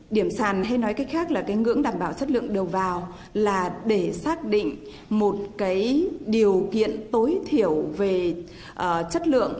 điểm sàn hay nói cách khác là cái ngưỡng đảm bảo chất lượng đầu vào là để xác định một cái điều kiện tối thiểu về chất lượng